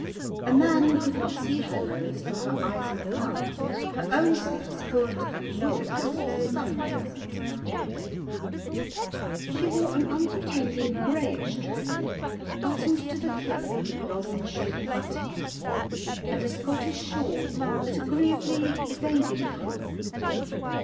A man could not see her nose for her eyes and mouth; her own sex could, and would have told us some nonsense about it. She wore an unpretending grayish dress, buttoned to the throat with lozenge shaped buttons, and a Scottish shawl that agreeably evaded colour.